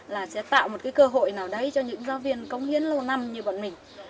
là sẽ tạo một cái cơ hội nào đấy cho những giáo viên công hiến lâu năm như bọn mình